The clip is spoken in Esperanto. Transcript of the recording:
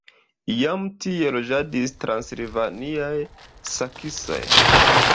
Iam tie loĝadis transilvaniaj saksoj.